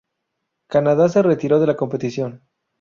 Canadá se retiró de la competición.